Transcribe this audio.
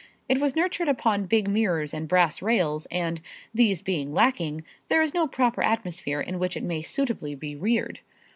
It was nurtured upon big mirrors and brass rails and, these being lacking, there is no proper atmosphere in which it may suitably be reared.